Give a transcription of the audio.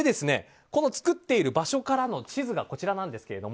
この造っている場所からの地図がこちらです。